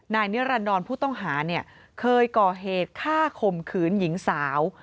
นายนิรันดรผู้ต้องหาเนี่ยเคยก่อเหตุฆ่าข่มขืนหญิงสาว